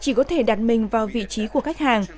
chỉ có thể đặt mình vào vị trí của khách hàng